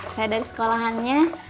saya dari sekolahannya